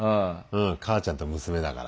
母ちゃんと娘だから。